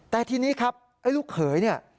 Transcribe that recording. แต่ทีนี้ครับไอ้ลูกเขยเนี่ย